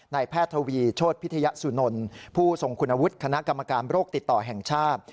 แพทย์ทวีโชธพิทยสุนลผู้ทรงคุณวุฒิคณะกรรมการโรคติดต่อแห่งชาติ